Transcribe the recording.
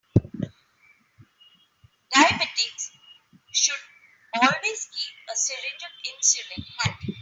Diabetics should always keep a syringe of insulin handy.